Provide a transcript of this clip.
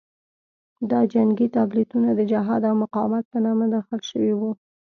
دا جنګي تابلیتونه د جهاد او مقاومت په نامه داخل شوي وو.